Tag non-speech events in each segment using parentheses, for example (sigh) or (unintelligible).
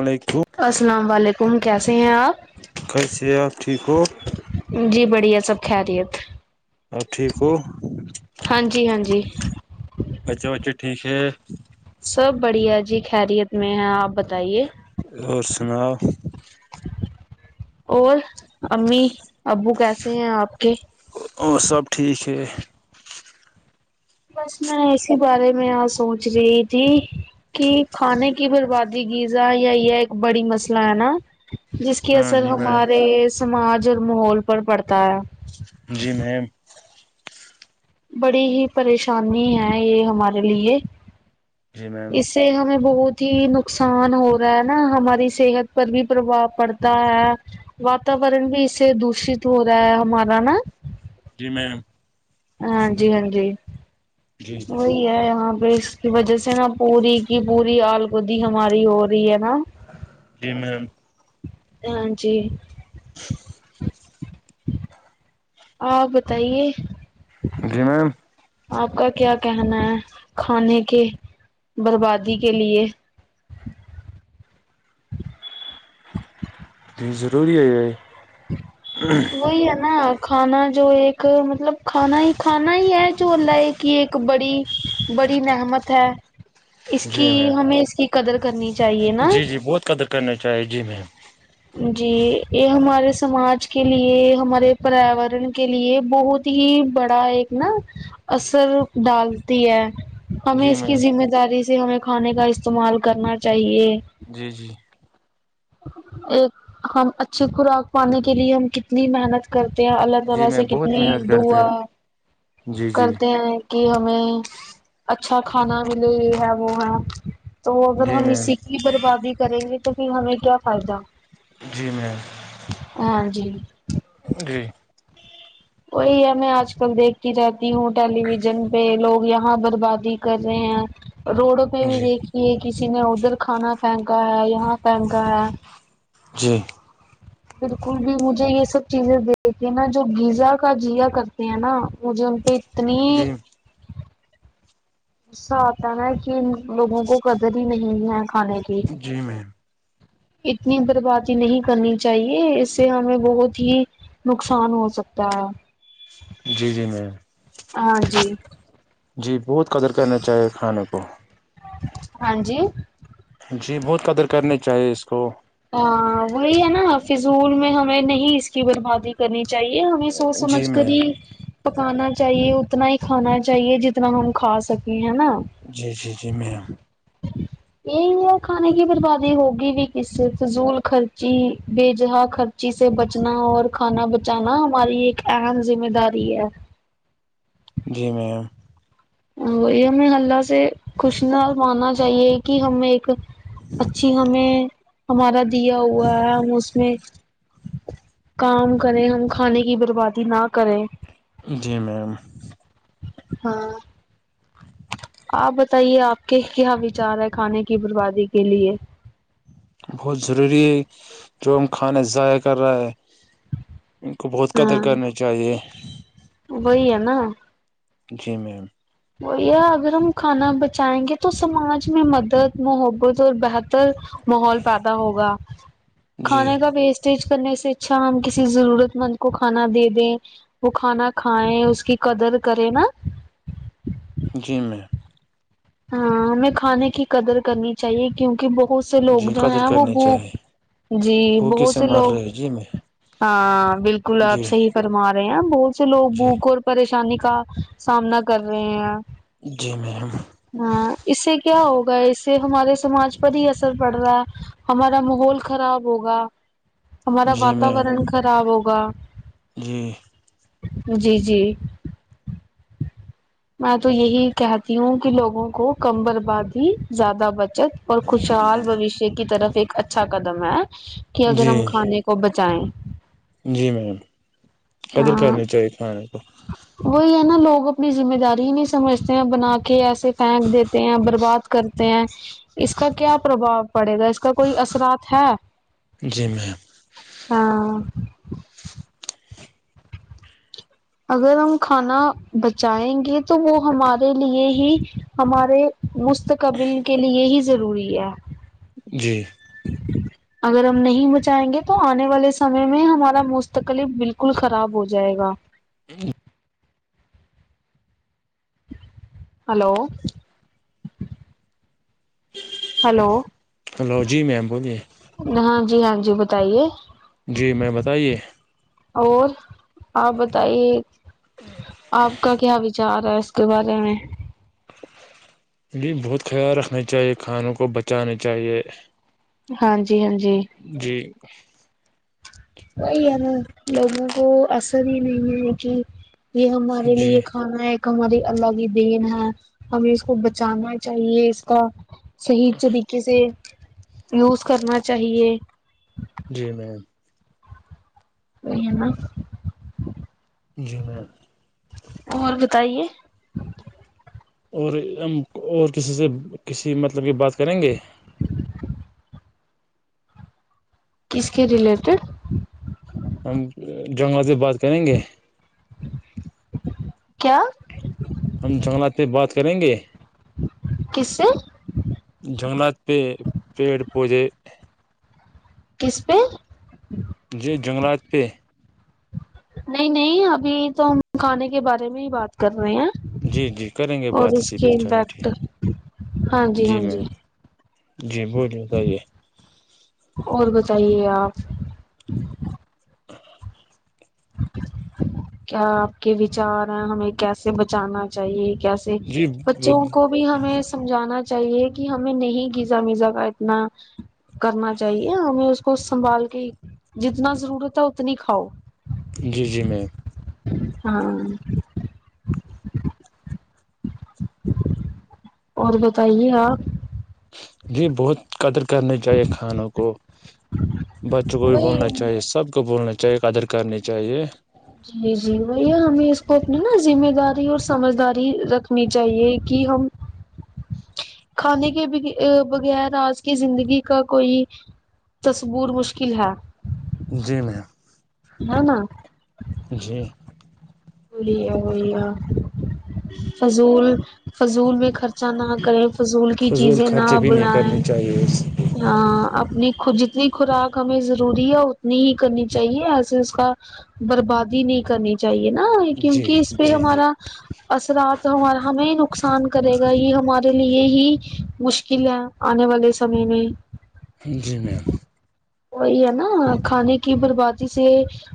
وعلیکم السلام علیکم کیسے ہیں آپ کیسے آپ ٹھیک ہو جی بڑھیا سب کریت آپ ٹھیک ہو ہاں جی ہاں جی اچھا بچھا ٹھیک ہے سب بڑھیا جی خیریت میں ہے آپ ب اور سناؤ اور امی ابو کیسے ہیں آپ کے اور سب ٹھیک ہے بس میں اسی بارے میں آ سوچ رہی تھی کہ کھانے کی بربادی یزا یا یہ ایک بڑی مسئلہ ہے نا جس کی ہاں اثر جی میڈم ہمارے سماج اور ماحول پر پڑتا ہے جی میم بڑی ہی پریشانی ہے یہ ہمارے لیے جی میم اس سے ہمیں بہت ہی نقصان ہو رہا ہے نا ہماری صحت پر بھی پربھؤ پڑتا ہے واتاورن بھی اس سے دوشت ہو رہا ہے ہمارا نا جی میںیم ہاں جی ہاں جی جی وہ یہاں پہ اس کی وجہ سے نا پوری کی پوری آلگودی ہماری ہو رہی ہے نا جی میں ہاں جی آ بتائیے جی میم آپ کا کیا کہنا ہے کھانے کے بربادی کے لیے جی ضروری ہے بھائی وہی ہے نا کھانا جو ایک مطلب کھانا ہی کھانا ہی ہے جو اللہے کی ایک بڑی بڑی نحمت ہے اس جی کی میم ہمیں اس کی قدر کرنی چاہیے نا جی جی بہت قدر کر کر چاہیے جی میں جی یہ ہمارے سماج کے لیے ہمارے پریاورن کے لیے بہت ہی بڑا ایک نا اثر ڈالتی ہے ہمیں جی اس کی میم ذمہ داری سے ہمیں کھانے کا استعمال کرنا چاہیے جی جی ایک ہم اچھی خوراک پانے کے لیے ہم ک کتنی محنت کرتے ہیں اللہ جی تعالی سے میم بہت کتنی محنت کرتے دعا جی جی کرتے ہیں کہ ہمیں اچھا کھانا ملے یہ ہے وہ ہے تو وہ اگر جی ہم میم اسی کی بربادی کریں گے تو پھر ہمیں کیا فائدہ جی میم (unintelligible) ہاں جی جی وہی ہے میں آج کل دیکھتی رہتی ہوں ٹیلی ویژن پہ لوگ یہاں بربادی کر رہے ہیں روڈ پہ بھی جی دیکھی کسی نے ادھر کھانا پھینکا ہے یہاں پھینکا ہے جی (unintelligible) بالکل بھی مجھے یہ سب چیزیں دیکتی نا جو یزا کا جیا کرتے ہیں نا مجھے ان پہ اتنی جی صہ آتا نا کہ ان لوگوں کو قدر ہی نہیں ہے کھانے کی جی میم اتنی بربادی نہیں کرنی چاہیے اس سے ہمیں بہت ہی نقصان ہو سکتا ہے جی جی میں (unintelligible) ہاں جی جی بہت قدر کرنا چاہیے کھانے کو ہاں جی جی بہت قدر کرنی چاہیے اس کو ہاں وہی ہے نا فضول میں ہمیں نہیں اس کی بربادی کرنی چاہیے ہمیں سوچ جی سمجھ کر میم ہی پکانا چاہیے اتنا ہی کھانا چاہیے جتنا ہم کھا سکیں ہے نا جی جی جی میں یہی ہے کھانے کی بربادی ہوگی بھی کس فضول خرچی بے جہا خرچی سے بچنا اور کھانا بچانا ہماری ایک اہم ذمہ داری ہے جی میم (unintelligible) وہی ہمیں حلہ سے خوشنا ماننا چاہیے کہ ہم ایک اچھی ہمیں ہمارا دیا ہوا ہے ہم اس میں کام کریں ہم کھانے کی بربادی نہ کریں جی میم ہاں (unintelligible) آپ بتائیے آپ کے کیا وچار ہے کھانے کی بربادی کے لیے بہت ضروری ہے جو ہم کھانا ضائع کر رہا ہے ان کو بہت قدر ہاں کرنی چاہیے وہی ہے نا جی میم (unintelligible) وہیا اگر ہم کھانا بچائیں گے تو سماج میں مدد محبت اور بہتر ماحول پیدا ہوگا جی کھانے کا بیسٹ اسٹیج کرنے سے اچھا ہم کسی ضرورت مند کو کھانا دے دیں وہ کھانا کھائیں اس کی قدر کرے نا جی میںیم (unintelligible) ہاں ہمیں کھانے کی قدر کرنی چاہیے کیونکہ بہت سے لوگ جی جو قدر ہیں وہ کرنی بوک چاہیے جی بھوکے بہت سے مر لوگ رہے جی میں (unintelligible) ہاں بالکل آپ جی صحیح فرما رہے ہیں بہت سے لوگ جی بھوک اور پریشانی کا سامنا کر رہے ہیں جی میم ہاں اس سے کیا ہوگا اس سے ہمارے سماج پر ہی اثر پڑ رہا ہے ہمارا ماحول خراب ہوگا ہمارا جی میم واتاورن خراب ہوگا جی (unintelligible) جی جی میں تو یہی کہتی ہوں کہ لوگوں کو کم برباد ہی زیادہ بچت اور خوشحال بوشیہ کی طرف ایک اچھا قدم ہے کہ اگر جی ہم کھانے کو چائےیں جی میم قدر ہاں کرنی چاہیے کھانے کو وہی ہے نا لوگ اپنی ذمہ داری ہی نہیں سمجھتے ہیں بنا کے ایسے پھینک دیتے ہیں برباد کرتے ہیں اس کا کیا پربھؤ پڑے گا اس کا کوئی اثرات ہے جی میم ہاں اگر ہم کھانا بچائیں گے تو وہ ہمارے لیے ہی ہمارے مستقبل کے لیے یہی ضروری ہے جی (unintelligible) اگر ہم نہیں بچائیں گے تو آنے والے سمے میں ہمارا مستقل بالکل خراب ہو جائے گا (unintelligible) ہلو ہلو ہلو جی میم بولیے ہاں جی ہاں جی بتائیے جی میں بتائیے اور آپ بتائیے آپ کا کیا وچار ہے اس کے بارے میں ج بہت خیال رکھنا چاہیے کھانوں کو بچانے چاہیے ہاں جی ہاں جی جی (inaudible) وہی ہے نا لوگوں کو اثر بھی نہیں ہے کہ یہ ہمارے لیے جی یہ کھانا ہے ہماری اللہ کی دین ہے ہمیں اس کو بچانا چاہیے اس کا صحیح طریقے سے یوز کرنا چاہیے جی میم وہ ہے ن میں اور بتائیے اور ہم اور کسی سے کسی مطلب کی بات کریں گے کس کے ریلیٹڈ ہم جنگل سے بات کریں گے کیا ہم جنگلات میں بات کریں گے کس سے جنگلات پہ پیڑ پودے کس پہ جی جنگلات پہ نہیں نہیں ابھی تو ہم کھانے کے بارے میں ہی بات کر رہے ہیں جی جی کریں گے اور بات اس اسی پہ کی چلو امپیکٹ ٹھیک ہاں جی ہاں جی جی بولیے بتائیے اور بتائیے آپ کیا آپ کے وچار ہیں ہمیں کیسے بچانا چاہیے کیسے جی بچوں کو بھی ہمیں سمجھانا چاہیے کہ ہمیں نہیں گیزا میزا کا اتنا کرنا چاہیے ہمیں اس کو سنبھال کے جتنا ضرورت ہے اتنی کھاؤ جی جی میںیم ہاں اور بتائیے آپ جی بہت قدر کرنی چاہیے کھانوں کو بچوں کو بھی وہی بولنا چاہیے سب کو بولنا چاہیے آدر کرنی چاہیے جی جی وہیا ہمیں اس کو اپنی نا ذمہ داری اور سمجھداری رکھنی چاہیے کہ ہم کھانے کے بغیر آج کی زندگی کا کوئی تصبور مشکل ہے جی میںیم ہ نا جی بیا ہویا فضول فضول میں خرچہ نہ کریں فضول کی چیزیں نہ بلائیں جی ہاں اپنی جتنی خوراک ہمیں ضروری ہے اتنی ہی کرنی چاہیے ایسے اس کا بربادی نہیں کرنی چاہیے نا جی کیونکہ اس پہ جی جی ہمارا اثرات ہمارا ہمیں نقصان کرے گا یہ ہمارے لیے ہی مشکل ہے آنے والے سمے میں جی میم وہی ہے نا کھانے کی بربادی سے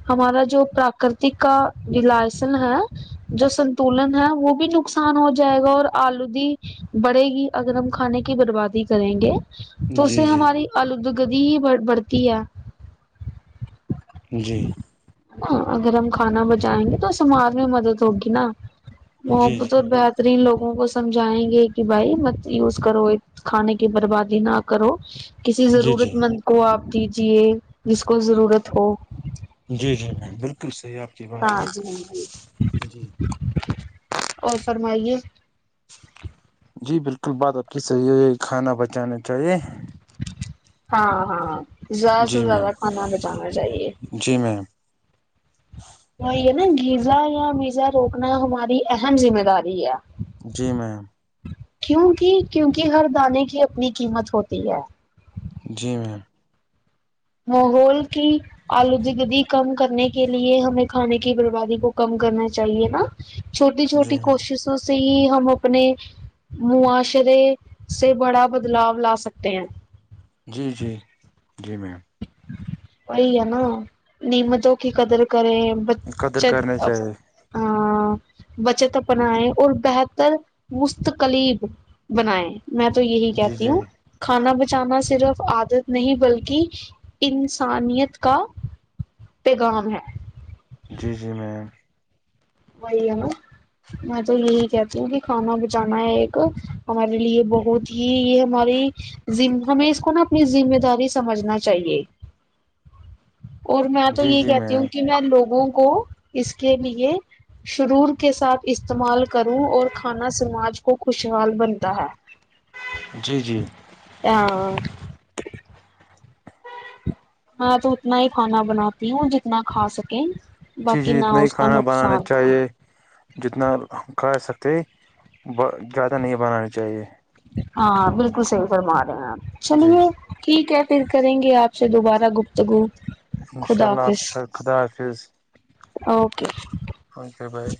ہمارا جو پراکرتک کا ولسن ہے جو سنتولن ہے وہ بھی نقصان ہو جائے گا اور آلودی بڑے گی اگر ہم کھانے کی بربادی کریں گے تو اس جی سے جی ہماری الودگتی ہی ب بڑھتی ہے جی ہ اگر ہم کھانا بچائیں گے تو سمار میں مدد ہوگی نا جی محبت جی اور بہترین لوگوں کو سمجھائیں گے کہ بھائی مت یوز کرو کھانے کی بربادی نہ کرو کسی جی ضرورت جی مند کو آپ دیجیے جس کو ضرورت ہو جی جی میں بالکل صحیح آپ کی بات ہاں ہے جی ہاں جی جی اور فرمائیے جی بالکل بات آپ کی صحیح ہے یہ کھانا بچانا چاہیے ہاں ہاں زیادہ سے جی میم زیادہ کھانا بچانا چاہیے جی میم بی ہے نا گیزا یا میزا روکنا ہماری اہم ذمہ داری ہے جی میم کیوںک کیوںک ہر دانے کی اپنی قیمت ہوتی ہے جی میم محول کی آلودگدی کم کرنے کے لیے ہمیں کھانے کی بربادی کو کم کرنا چاہیے نا چھوٹی جی چھوٹی میم کوششوں سے ہی ہم اپنے معاشرے سے بڑا بدلاؤ لا سکتے ہیں جی جی جی میم وہی ہے نا نعمتوں کی قدر کریں بچ قدر کرنی چاہیے ہ (unintelligible) بچت بنائے اور بہتر مستقلیب بنائے میں تو یہی جی کہتی جی ہوں کھانا بچانا صرف عادت نہیں بلکہ انسانیت کا پیغام ہے جی جی میم وہئی نا میں تو یہی کہتی ہوں کہ کھانا بچانا ہے ایک ہمارے لیے بہت ہی یہ ہماری ہمیں اس کو نا اپنی ذمہ داری سمجھنا چاہیے اور میں تو جی یہ جی کہتی میم ہوں کہ میں لوگوں کو اس کے لیے شرور کے ساتھ استعمال کروں اور کھانا سماج کو خوشحال بنتا ہے (inaudible) جی جی ہاں ہاں تو اتنا ہی کھانا بناتی ہوں جتنا کھا سکیں باقی چیزی نہ اتنا ہی اس کا کھانا بنانا نقصان نہ چاہیے جتنا کھا سکتے زیادہ نہیں بنانانی چاہیے ہاں بالکل صحیح فرما رہے ہیں آپ جی چلیے ٹھیک ہے پھر کریں گے آپ سے دوبارہ گپتگو انشاء خدا اللہ آپ حافظ کے ساتھ خدا حافظ اوکے فون پریائی